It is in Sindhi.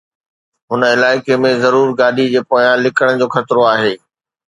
هن علائقي ۾ ضرور گاڏي جي پويان لڪڻ جو خطرو آهي